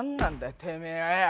てめえはよ。